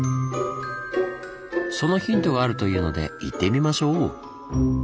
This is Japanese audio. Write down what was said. そのヒントがあるというので行ってみましょう！